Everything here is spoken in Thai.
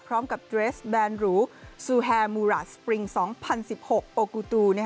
พร้อมกับเดรสแบรนด์หรูซูแฮมูราสสปริง๒๐๑๖โอกูตู